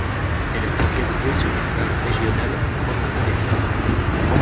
Elle est organisée sur une base régionale et provinciale.